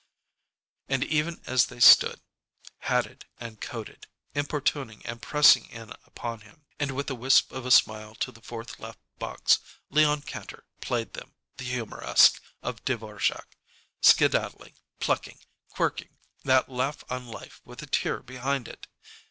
And even as they stood, hatted and coated, importuning and pressing in upon him, and with a wisp of a smile to the fourth left box, Leon Kantor played them the "Humoresque" of Dvorák, skedaddling, plucking, quirking that laugh on life with a tear behind it.